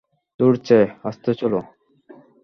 ধুর ছাই, আস্তে চলো!